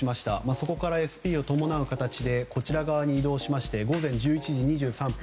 そこからＳＰを伴う形でこちら側に移動して午前１１時２３分